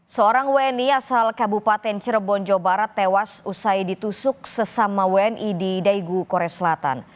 seorang wni asal kabupaten cirebon jawa barat tewas usai ditusuk sesama wni di daegu korea selatan